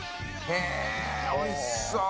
へぇおいしそう！